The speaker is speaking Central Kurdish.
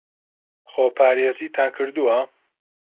خۆپارێزیتان کردووە؟